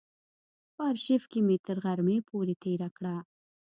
په آرشیف کې مې تر غرمې پورې تېره کړه.